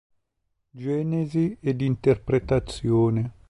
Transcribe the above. Genesi ed interpretazione".